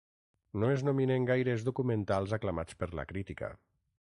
No es nominen gaires documentals aclamats per la crítica.